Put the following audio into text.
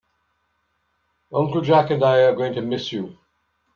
Uncle Jack and I are going to miss you.